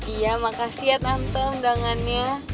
iya makasih ya tante undangannya